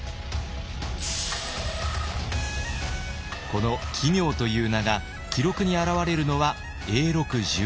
この「奇妙」という名が記録に表れるのは永禄１２年。